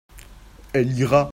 Elle ira.